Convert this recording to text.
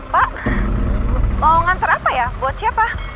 pak mau ngantar apa ya buat siapa